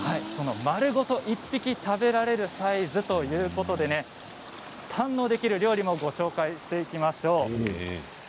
丸ごと１匹食べられるサイズということで堪能できるお料理もご紹介します。